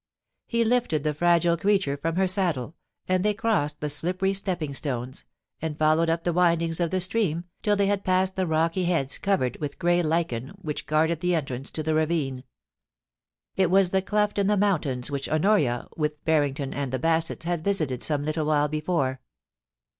* He lifted the fragile creature from her saddle, and they crossed the slippery stepping stones, and followed up the windings of the stream, till they had passed the rocky heads covered with grey lichen which guarded the entrance to the ravine. It was the cleft in the mountains which Hbnoria, with Harrington and the Bassetts, had visited some little while before.